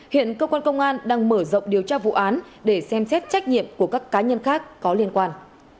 hiện cơ quan công an đang mở rộng điều tra vụ án để xem xét trách nhiệm của các cá nhân khác có liên quan